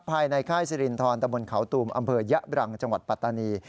ค่ายสิรินทรตะบนเขาตูมอำเภอยะบรังจังหวัดปัตตานี